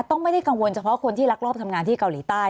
ต้องไม่ได้กังวลเฉพาะคนที่รักรอบทำงานที่เกาหลีใต้